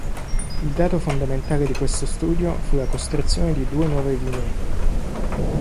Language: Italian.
Il dato fondamentale di questo studio fu la costruzione di due nuove linee.